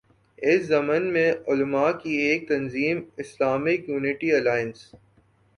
اس ضمن میں علما کی ایک تنظیم ”اسلامک یونٹی الائنس“